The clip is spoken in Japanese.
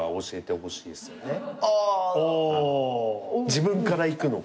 自分からいくのか。